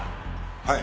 はい。